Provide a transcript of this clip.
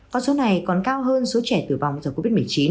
con số này còn cao hơn số trẻ tử vong do covid một mươi chín